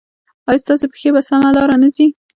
ایا ستاسو پښې په سمه لار نه ځي؟